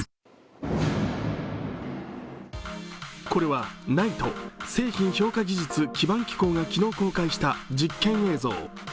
これはＮＩＴＥ＝製品評価技術基盤機構が昨日公開した実験映像。